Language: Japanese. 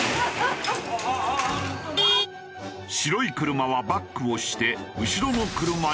白い車はバックをして後ろの車に衝突。